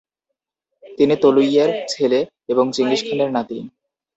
তিনি তোলুইয়ের ছেলে এবং চেঙ্গিস খানের নাতি।